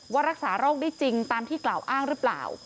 ว่ารักษาโรคได้จริงตามที่กล่าวอ้างหรือเปล่า